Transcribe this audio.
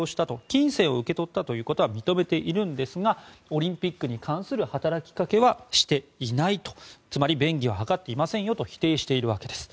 金銭を受け取ったということは認めているんですがオリンピックに関する働きかけはしていないとつまり、便宜を図っていませんよと否定しています。